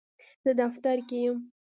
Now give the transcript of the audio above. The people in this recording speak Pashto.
زه دفتر کې یم.